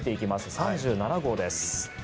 ３７号です。